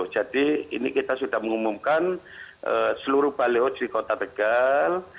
jadi ini kita sudah mengumumkan seluruh balai hoj di kota tegal